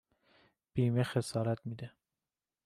بیمه خسارت میده